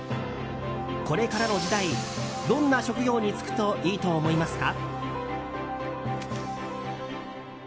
これからの時代、どんな職業に就くといいと思いますか？